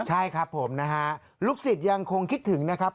ใช่ครับผมนะฮะลูกศิษย์ยังคงคิดถึงนะครับ